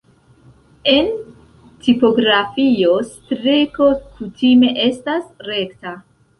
En tipografio streko kutime estas rekta.